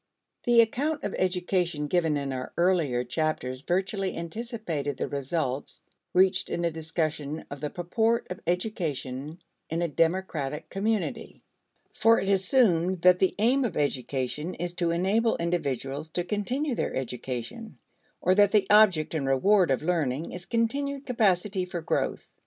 The account of education given in our earlier chapters virtually anticipated the results reached in a discussion of the purport of education in a democratic community. For it assumed that the aim of education is to enable individuals to continue their education or that the object and reward of learning is continued capacity for growth.